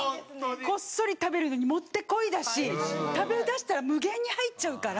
こっそり食べるのにもってこいだし食べだしたら無限に入っちゃうから。